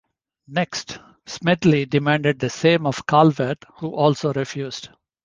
Next, Smedley demanded the same of Calvert, who also refused.